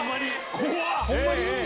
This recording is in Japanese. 怖っ！